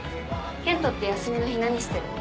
健人って休みの日何してるの？